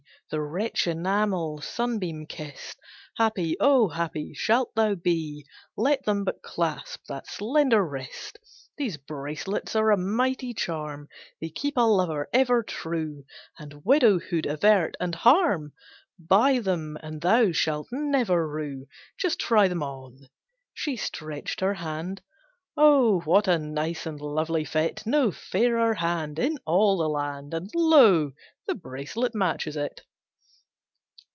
The rich enamel sunbeam kist! Happy, oh happy, shalt thou be, Let them but clasp that slender wrist; These bracelets are a mighty charm, They keep a lover ever true, And widowhood avert, and harm, Buy them, and thou shalt never rue. Just try them on!" She stretched her hand, "Oh what a nice and lovely fit! No fairer hand, in all the land, And lo! the bracelet matches it."